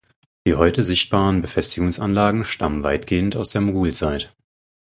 Die heute sichtbaren Befestigungsanlagen stammen weitgehend aus der Mogulzeit.